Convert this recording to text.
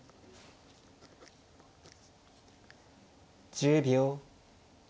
１０秒。